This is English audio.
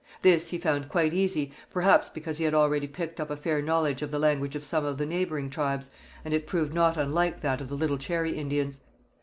This he found quite easy, perhaps because he had already picked up a fair knowledge of the language of some of the neighbouring tribes, and it proved not unlike that of the Little Cherry Indians.